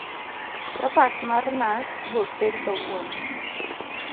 chapat mar nas iboted kawuono